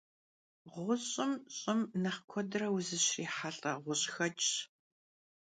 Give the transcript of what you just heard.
Ğuş'ır ş'ım nexh kuedre vuzışrihelh'e ğuş'xeç'ş.